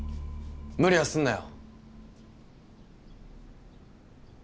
無理はすんなよ。